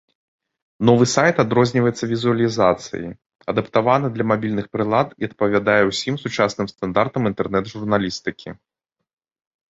Новы сайт адрозніваецца візуалізацыяй, адаптаваны для мабільных прылад і адпавядае ўсім сучасным стандартам інтэрнэт-журналістыкі.